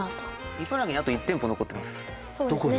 茨城にあと１店舗残ってますどこに？